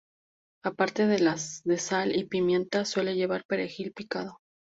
Aparte de sal y pimienta, suele llevar perejil picado.